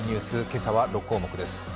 今朝は６項目です。